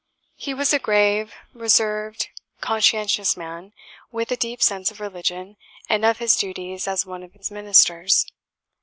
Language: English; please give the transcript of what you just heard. He was a grave, reserved, conscientious man, with a deep sense of religion, and of his duties as one of its ministers.